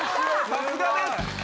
さすがです！